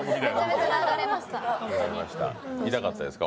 痛かったですか？